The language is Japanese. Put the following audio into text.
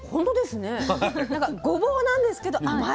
ごぼうなんですけど甘い。